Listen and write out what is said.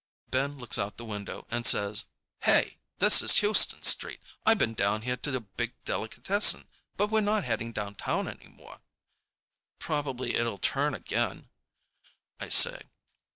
Ben looks out the window and says, "Hey, this is Houston Street. I been down here to a big delicatessen. But we're not heading downtown anymore." "Probably it'll turn again," I say.